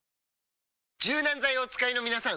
柔軟剤をお使いのみなさん！